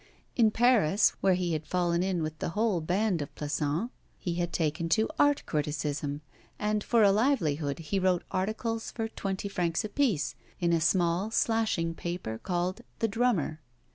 In Paris where he had fallen in with the whole band of Plassans he had taken to art criticism, and, for a livelihood, he wrote articles for twenty francs apiece in a small, slashing paper called 'The Drummer.